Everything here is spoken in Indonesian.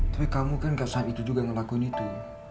tapi kamu kan gak sah itu juga ngelakuin itu